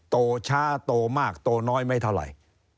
โตช้าโตมากโตน้อยไม่เท่าไหร่